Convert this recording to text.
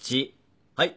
はい。